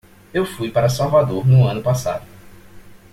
Eu fui para Salvador no ano passado.